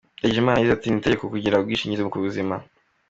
Ndagijimana yagize ati “Ni itegeko kugira ubwishingizi ku buzima.